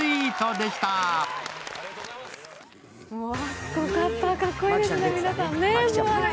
すごかった、かっこいいですね、皆さんね。